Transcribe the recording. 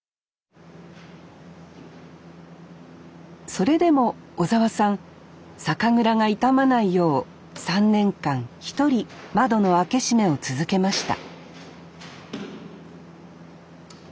それでも尾澤さん酒蔵が傷まないよう３年間一人窓の開け閉めを続けました